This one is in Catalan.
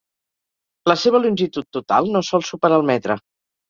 La seva longitud total no sol superar el metre.